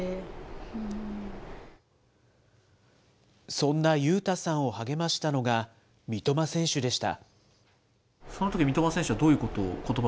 そんな勇太さんを励ましたのが、三笘選手でした。